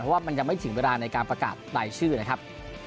เพราะว่ามันยังไม่ถึงเวลาในการประกาศรายชื่อนะครับ